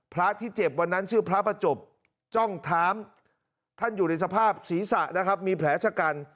พระที่เจ็บวันนั้นชื่อพระประจบจ้องท้ามท่านอยู่ในสภาพศีรษะนะครับมีแผลชะกัน